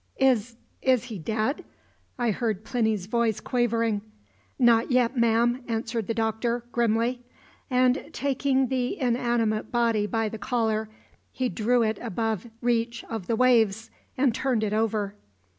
"Is is he dead?" I heard Plinny's voice quavering. "Not yet, ma'am," answered the Doctor, grimly; and, taking the inanimate body by the collar, he drew it above reach of the waves, and turned it over.